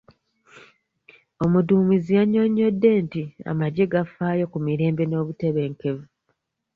Omudduumizi yannyonyodde nti amagye gafaayo ku mirembe n'obutebenkevu.